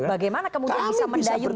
bagaimana kemudian bisa mendayung